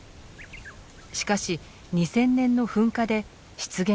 しかし２０００年の噴火で湿原は消失。